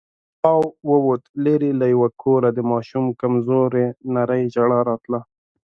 پاو ووت، ليرې له يوه کوره د ماشوم کمزورې نرۍ ژړا راتله.